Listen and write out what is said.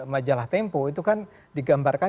majalah tempo itu kan digambarkan